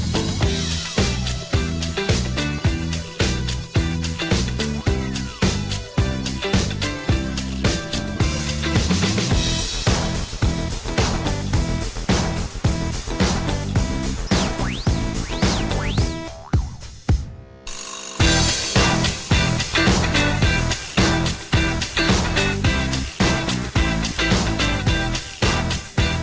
โปรดติดตามตอนต่อไป